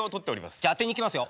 じゃあ当てにいきますよ。